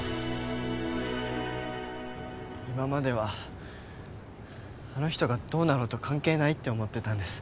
今まではあの人がどうなろうと関係ないって思ってたんです。